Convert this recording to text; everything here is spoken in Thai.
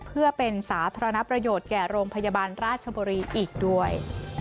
เพื่อเป็นสาธารณประโยชน์แก่โรงพยาบาลราชบุรีอีกด้วย